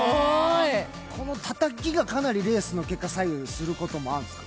このたたきがかなりレースの結果を左右することあるの？